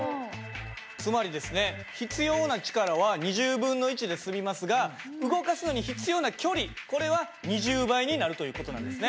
つまりですね必要な力はで済みますが動かすのに必要な距離これは２０倍になるという事なんですね。